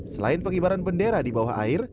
selain pengibaran bendera di bawah air